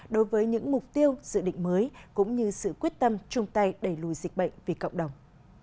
đối với những mục tiêu dự định mới cũng như sự quyết tâm chung tay đẩy lùi dịch bệnh vì cộng đồng